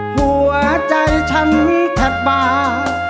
หัวใจฉันแทบบาน